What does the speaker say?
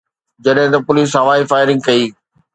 جڏهن ته پوليس هوائي فائرنگ ڪئي.